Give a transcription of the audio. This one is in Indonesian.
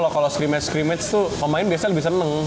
tapi kalau scrimmage scrimmage tuh pemain biasanya lebih seneng